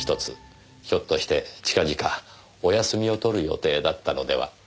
ひょっとして近々お休みを取る予定だったのでは？